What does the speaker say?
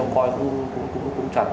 có chỗ thì trông coi cũng chặt